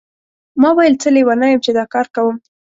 ما ویل څه لیونی یم چې دا کار کوم.